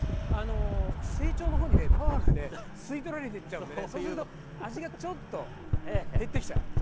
成長の方にねパワーがね吸い取られてっちゃうんでねそうすると味がちょっと減ってきちゃう。